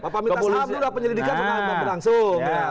bapak mita sabu udah penyelidikan sama mbak berangsung